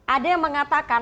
ada yang mengatakan